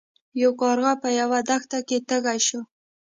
یو کارغه په یوه دښته کې تږی شو.